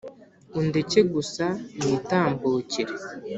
Undeke gusa nitambukire